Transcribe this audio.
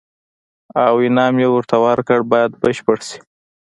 او انعام یې ورته ورکړ باید بشپړ شي.